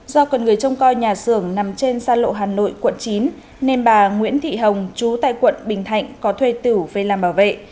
do con người trông coi nhà xưởng nằm trên sa lộ hà nội quận chín nên bà nguyễn thị hồng trú tại quận bình thạnh có thuê tửu về làm bảo vệ